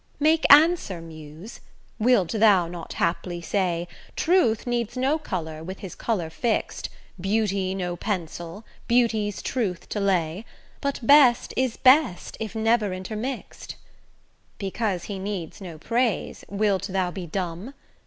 Make answer Muse: wilt thou not haply say, 'Truth needs no colour, with his colour fix'd; Beauty no pencil, beauty's truth to lay; But best is best, if never intermix'd'? Because he needs no praise, wilt thou be dumb?